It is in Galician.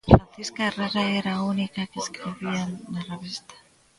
Francisca Herrera era a única que escribía na revista.